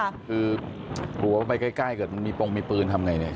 คือหัวไปใกล้เกิดมีปรงมีปืนทำอย่างไร